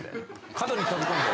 角に飛び込んで。